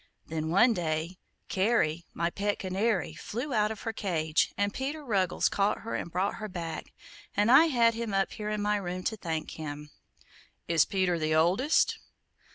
Then, one day, 'Cary,' my pet canary, flew out of her cage, and Peter Ruggles caught her and brought her back, and I had him up here in my room to thank him." "Is Peter the oldest?"